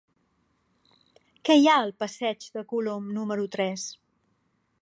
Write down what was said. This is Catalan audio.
Què hi ha al passeig de Colom número tres?